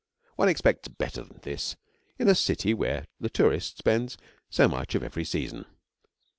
One expects better than this in a city where the tourist spends so much every season.